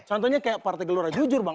contohnya kayak partai gelora jujur bang